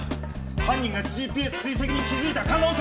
犯人がＧＰＳ追跡に気づいた可能性があります！